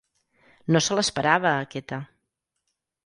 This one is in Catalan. No se l'esperava, aquesta!